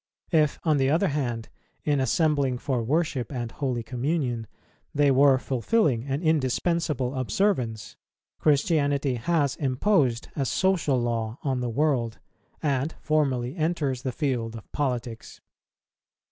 If, on the other hand, in assembling for worship and holy communion, they were fulfilling an indispensable observance, Christianity has imposed a social law on the world, and formally enters the field of politics.